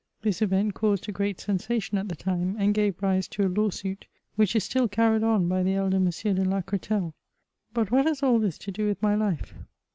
This event caused a great sensation at the time, and gave rise to a law suit, which is still carried on by the elder M. de Lacreteile. But what has all this to do with my life